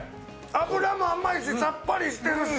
脂も甘いしさっぱりしてるし。